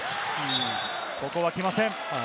ここは来ません。